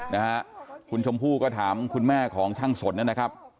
นะฮะคุณชมพู่ก็ถามคุณแม่ของช่างสนนะครับ